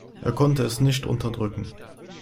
Er konnte es nicht unterdrücken.